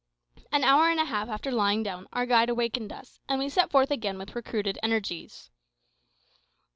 An hour and a half after lying down, our guide awakened us, and we set forth again with recruited energies.